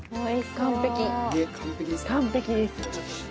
完璧です。